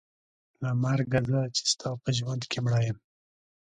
له مرګه زه چې ستا په ژوند کې مړه یم.